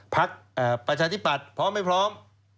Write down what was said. พักประชาธิปัตย์พร้อมไม่พร้อม